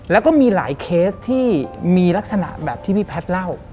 แล้วก็มีหลายเคสที่มีลักษณะแบบที่พี่แพทย์เล่า